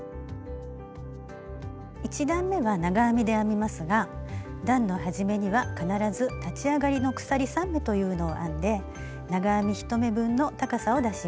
１段めは長編みで編みますが段の始めには必ず立ち上がりの鎖３目というのを編んで長編み１目分の高さを出します。